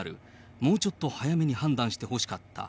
もうちょっと早めに判断してほしかった。